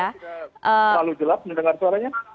terlalu jelap mendengar suaranya